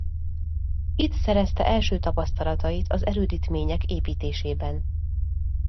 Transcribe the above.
Itt szerezte első tapasztalatait az erődítmények építésében.